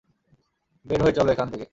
বের হই চলো এখান থেকে!